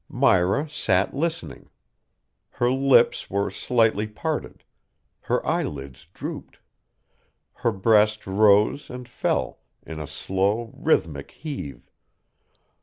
Myra sat listening. Her lips were slightly parted. Her eyelids drooped. Her breast rose and fell in a slow, rhythmic heave.